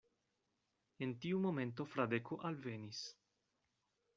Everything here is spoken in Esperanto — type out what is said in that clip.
En tiu momento Fradeko alvenis.